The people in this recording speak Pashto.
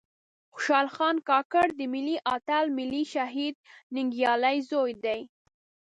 خوشال خان کاکړ د ملي آتل ملي شهيد ننګيالي ﺯوې دې